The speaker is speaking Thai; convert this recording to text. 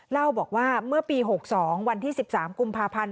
เล่าบอกว่าเมื่อปี๖๒วันที่๑๓กุมภาพันธ์